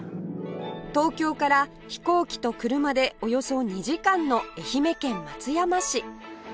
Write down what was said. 東京から飛行機と車でおよそ２時間の愛媛県松山市